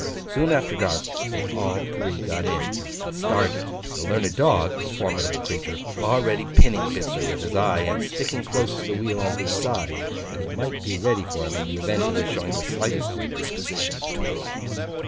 Soon after dark they all three got in and started; the learned dog (a formidable creature) already pinning Bitzer with his eye, and sticking close to the wheel on his side, that he might be ready for him in the event of his showing the slightest disposition to alight.